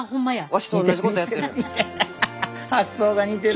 わしとおんなじことやってる。